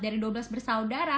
dari dua belas bersaudara